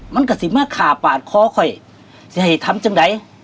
มันกระสิมาขาปาดคอค่อยจะให้ทำจังใด